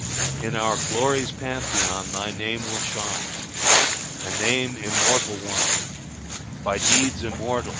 In our Glory's Pantheon Thy name will shine, a name immortal won By deeds immortal!